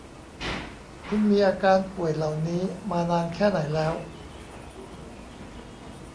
คุณมีอาการป่วยเหล่านี้มานานแค่ไหนแล้ว